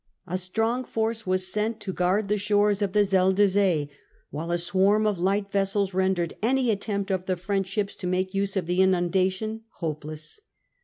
A strong force was sent to guard the shores of the Zuyder Zee, while a swarm of light vessels rendered any attempt of the French ships to make use of the inundation hopeless.